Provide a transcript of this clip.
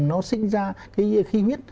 nó sinh ra cái khí huyết